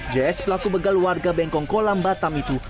js pelaku begal warga bengkong kolam batam itu